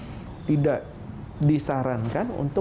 kalau di rumah juga dijaga suasananya supaya sunyi betul